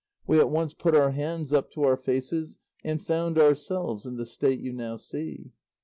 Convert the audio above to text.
We at once put our hands up to our faces and found ourselves in the state you now see."